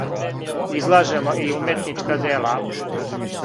Излажемо и уметничка дела.